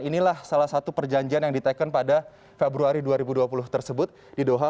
inilah salah satu perjanjian yang diteken pada februari dua ribu dua puluh tersebut di doha